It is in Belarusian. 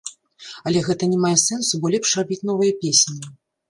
Але гэта не мае сэнсу, бо лепш рабіць новыя песні.